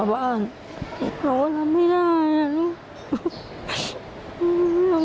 สัญญาว่าจะมาอยู่ด้วยกัน